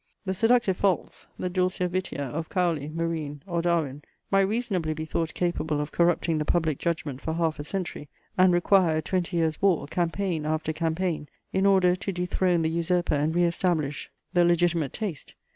The seductive faults, the dulcia vitia of Cowley, Marine, or Darwin might reasonably be thought capable of corrupting the public judgment for half a century, and require a twenty years war, campaign after campaign, in order to dethrone the usurper and re establish the legitimate taste.